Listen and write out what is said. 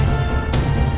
aku akan mencari cherry